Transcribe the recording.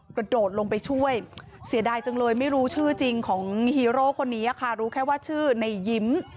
กระโดดลงไปช่วยเสียดายจังเลยไม่รู้ชื่อจริงของฮีโร่คนนี้ค่ะรู้แค่ว่าชื่อในยิ้ม